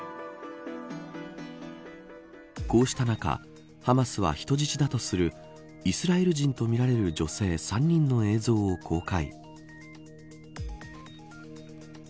こうした中、ハマスは人質だとするイスラエル人とみられる女性３人の映像を公開。